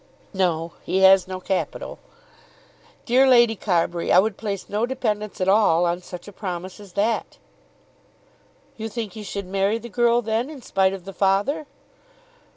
"No; he has no capital." "Dear Lady Carbury, I would place no dependence at all on such a promise as that." "You think he should marry the girl then in spite of the father?"